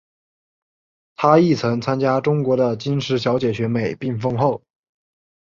她亦曾参选中国的金石小姐选美并封后。